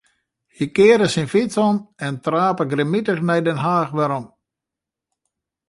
Hy kearde syn fyts om en trape grimmitich nei Den Haach werom.